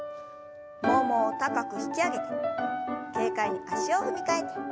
ももを高く引き上げて軽快に足を踏み替えて。